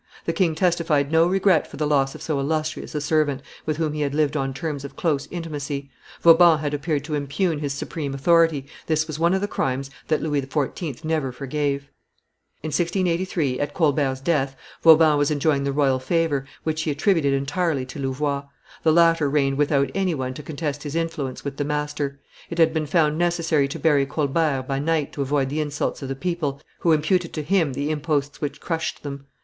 The king testified no regret for the loss of so illustrious a servant, with whom he had lived on terms of close intimacy. Vauban had appeared to impugn his supreme authority; this was one of the crimes that Louis XIV. never forgave. In 1683, at Colbert's death, Vauban was enjoying the royal favor, which he attributed entirely to Louvois. The latter reigned without any one to contest his influence with the master. It had been found necessary to bury Colbert by night to avoid the insults of the people, who imputed to him the imposts which crushed them.